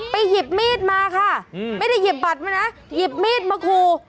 หยิบมีดมาค่ะไม่ได้หยิบบัตรมานะหยิบมีดมาคู